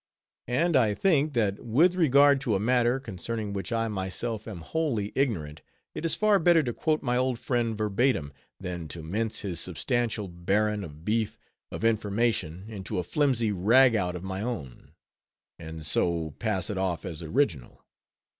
_ And I think that with regard to a matter, concerning which I myself am wholly ignorant, it is far better to quote my old friend verbatim, than to mince his substantial baron of beef of information into a flimsy ragout of my own; and so, pass it off as original.